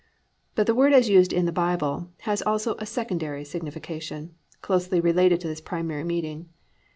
(2) But the word as used in the Bible has also a secondary signification closely related to this primary meaning.